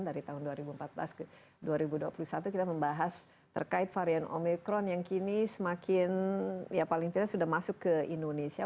dari tahun dua ribu empat belas ke dua ribu dua puluh satu kita membahas terkait varian omikron yang kini semakin ya paling tidak sudah masuk ke indonesia